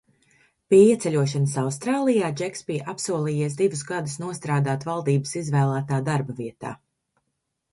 Pie ieceļošanas Austrālijā Džeks bija apsolījies divus gadus nostrādāt valdības izvēlētā darba vietā.